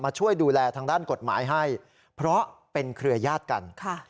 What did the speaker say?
ช่วยดูแลทางด้านกฎหมายให้เพราะเป็นเครือยาศกัน